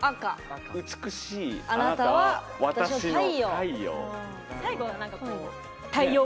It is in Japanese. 美しいあなたは私の太陽。